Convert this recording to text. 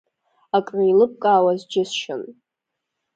Акреилыбкаауаз џьысшьон!